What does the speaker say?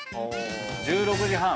１６時半。